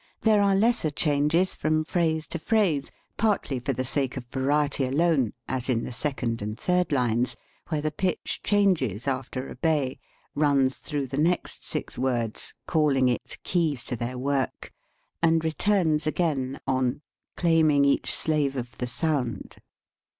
There are lesser changes from phrase to phrase, partly for the sake of va riety alone, as in the second and third lines, where the pitch changes after "obey," runs through the next six words, " calling its keys to their work," and returns again on, " Claim ing each slave of the sound."